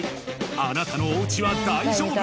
あなたのおうちは大丈夫？